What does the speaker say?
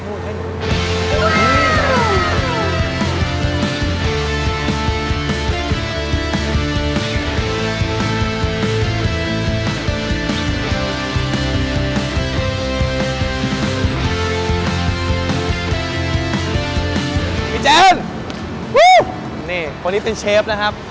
พี่แจนวู้นี่คนนี้เป็นเชฟนะครับ